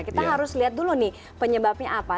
kita harus lihat dulu nih penyebabnya apa